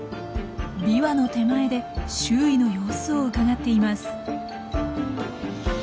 ビワの手前で周囲の様子をうかがっています。